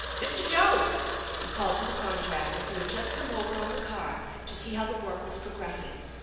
" Mr. Jones !" he called to the contractor, who had just come over on the car to see how the work was progressing.